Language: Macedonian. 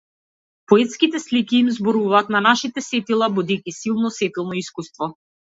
Поетските слики им зборуваат на нашите сетила, будејќи силно сетилно искуство.